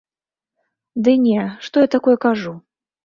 Ды не, што я такое кажу!